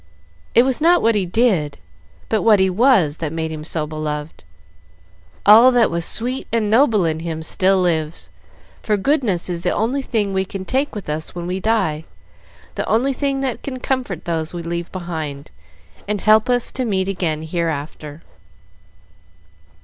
"It was not what he did but what he was that made him so beloved. All that was sweet and noble in him still lives; for goodness is the only thing we can take with us when we die, the only thing that can comfort those we leave behind, and help us to meet again hereafter."